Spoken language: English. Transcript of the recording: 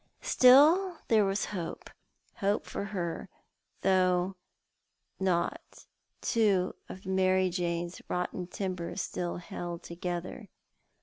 Still there was hope— hope for her, though not two of the Manj Jane's rotten timbers still held together.